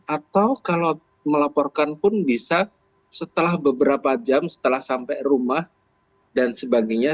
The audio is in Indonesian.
atau kalau melaporkan pun bisa setelah beberapa jam setelah sampai rumah dan sebagainya